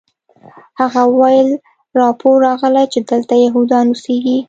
هغه وویل راپور راغلی چې دلته یهودان اوسیږي